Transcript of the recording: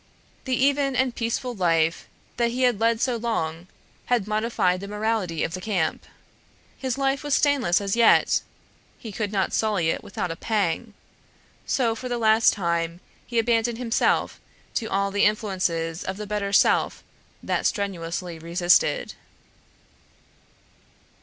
The even and peaceful life that he had led for so long had modified the morality of the camp. His life was stainless as yet; he could not sully it without a pang. So for the last time he abandoned himself to all the influences of the better self that strenuously resisted.